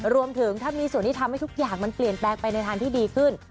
รวมถึงถ้ามีส่วนที่ทำให้ทุกอย่างมันเปลี่ยนแปลงไปในทางที่ดีขึ้น